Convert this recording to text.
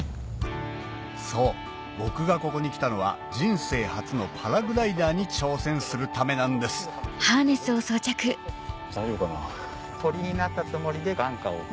そう僕がここに来たのは人生初のパラグライダーに挑戦するためなんです大丈夫かな。